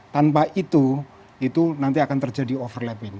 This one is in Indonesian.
tanpa itu itu nanti akan terjadi overlapping